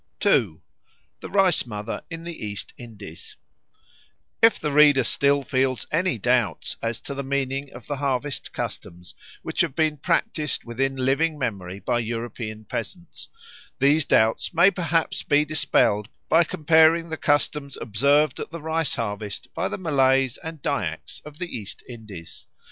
2. The Rice mother in the East Indies IF THE READER still feels any doubts as to the meaning of the harvest customs which have been practised within living memory by European peasants, these doubts may perhaps be dispelled by comparing the customs observed at the rice harvest by the Malays and Dyaks of the East Indies.